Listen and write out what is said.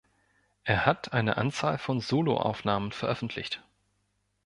Er hat eine Anzahl von Solo-Aufnahmen veröffentlicht.